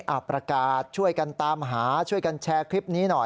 เอาประกาศช่วยกันตามหาช่วยกันแชร์คลิปนี้หน่อย